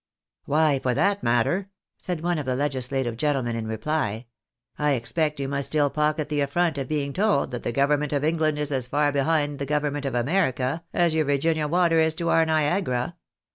" Why for that matter," said one of the legislative gentlemen, in reply, " I expect you must still pocket the affront of being told that the government of England is as far behind the government of America, as your Virginia Water is to our Niagara.